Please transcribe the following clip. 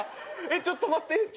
えっちょっと待って！